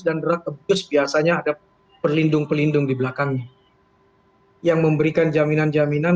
dan berat keputus biasanya ada perlindung perlindung di belakangnya yang memberikan jaminan jaminan